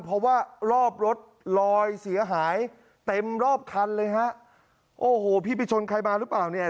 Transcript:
เพราะว่ารอบรถลอยเสียหายเต็มรอบคันเลยฮะโอ้โหพี่ไปชนใครมาหรือเปล่าเนี่ย